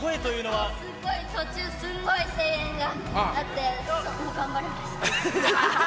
すっごい、途中、すっごい声援があって、頑張れました。